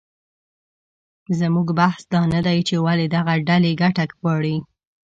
زموږ بحث دا نه دی چې ولې دغه ډلې ګټه غواړي